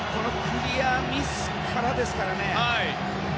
クリアミスからですからね。